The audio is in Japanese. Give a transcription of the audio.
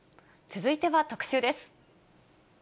続いては特集です。